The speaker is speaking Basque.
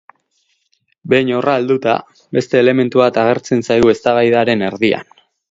Behin horra helduta, beste elementu bat agertzen zaigu eztabaidaren erdian.